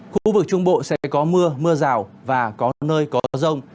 khu vực trung bộ sẽ có mưa mưa rào và có nơi có rông